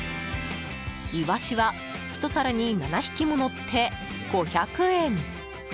イワシは、１皿に７匹ものって５００円！